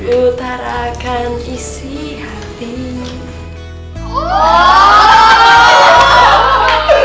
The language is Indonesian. utarakan isi hati